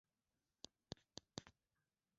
katika kukabiliana na makundi ya waasi nchini Kongo